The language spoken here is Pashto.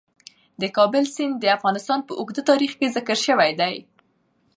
د کابل سیند د افغانستان په اوږده تاریخ کې ذکر شوی دی.